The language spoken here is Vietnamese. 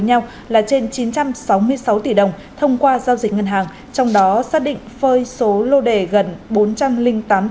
nhau là trên chín trăm sáu mươi sáu tỷ đồng thông qua giao dịch ngân hàng trong đó xác định phơi số lô đề gần bốn trăm linh tám tỷ đồng